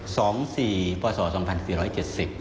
ตอน๒๔ปศ๒๔๗๐